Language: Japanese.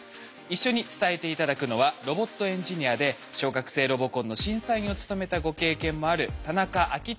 一緒に伝えて頂くのはロボットエンジニアで小学生ロボコンの審査員を務めたご経験もある田中章愛さんです。